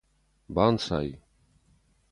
Банцай!